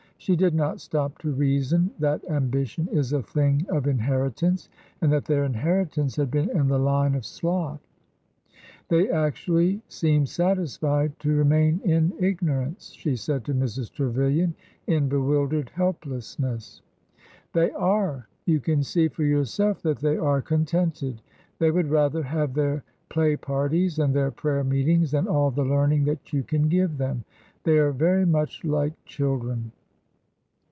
She did not stop to reason that ambition is a thing of inheritance, and that their inheritance had been in the line of sloth. '' They actually seem satisfied to remain in ignorance,'' she said to Mrs. Trevilian in bewildered helplessness. They are. You can see for yourself that they are contented. They would rather have their play parties and their prayer meetings than all the learning that you can give them. They are very much like children."